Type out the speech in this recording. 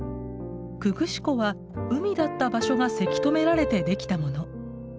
久々子湖は海だった場所がせき止められてできたもの。